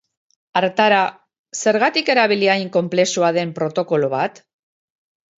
Hartara, zergatik erabili hain konplexua den protokolo bat?